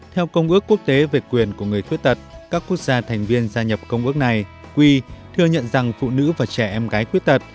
theo công ước quốc tế về quyền của người khuyết tật các quốc gia thành viên gia nhập công ước này quy thừa nhận rằng phụ nữ và trẻ em gái khuyết tật